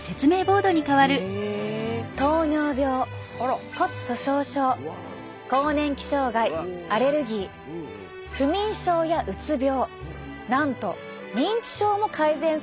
糖尿病骨粗しょう症更年期障害アレルギー不眠症やうつ病なんと認知症も改善するという報告も。